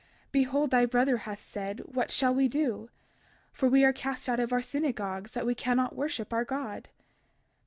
32:9 Behold thy brother hath said, What shall we do?—for we are cast out of our synagogues, that we cannot worship our God.